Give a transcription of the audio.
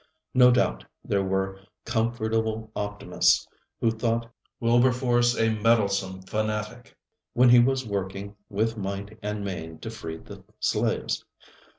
No doubt, there were comfortable optimists who thought Wilberforce a meddlesome fanatic when he was working with might and main to free the slaves.